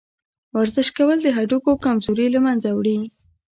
ورزش کول د هډوکو کمزوري له منځه وړي.